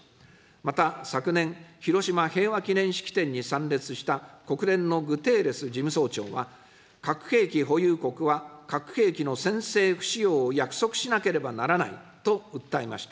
また、昨年、広島平和記念式典に参列した国連のグテーレス事務総長は、核兵器保有国は核兵器の先制不使用を約束しなければならないと訴えました。